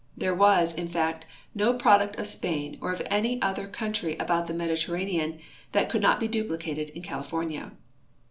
There was, in fact, no pro duct of Si)ain or of any other country about the Mediterranean that could not be duplicated in California.